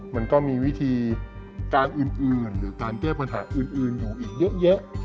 มันก็มีวิธีการอื่นหรือการแก้ปัญหาอื่นอยู่อีกเยอะแยะ